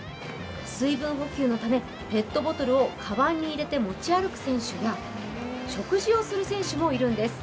水分補給のため、ペットボトルをかばんに入れて持ち歩く選手や食事をする選手もいるんです。